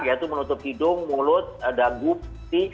yaitu menutup hidung mulut dagu si